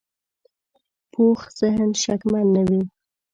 پوخ ذهن شکمن نه وي